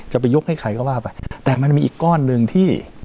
จะไปยกให้ใครก็ว่าไปแต่มันมีอีกก้อนหนึ่งที่